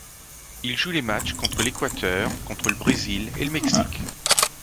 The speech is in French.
Il joue les matchs contre l'Équateur, contre le Brésil et le Mexique.